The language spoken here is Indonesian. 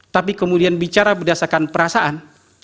tapi kemudian bicara berdasarkan perasaan